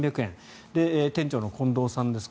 店長の近藤さんです。